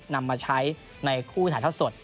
นำมาใช้ในคู่ถ่ายทอดสด